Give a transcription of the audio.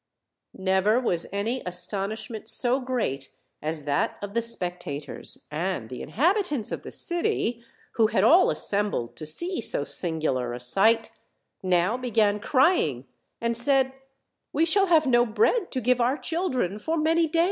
Never was any astomshmment so great as that of the spectators; and the inhabitants of the city, who h;;d all assembled to see so singular a sight, now began crying, and said, "We shall have no bread to give our children for many days."